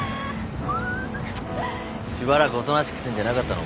しばらくおとなしくしてんじゃなかったのか？